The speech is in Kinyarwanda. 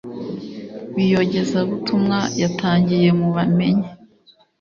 b’iyogezabutumwa yatangiye mu bamenye